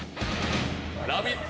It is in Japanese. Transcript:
「ラヴィット！」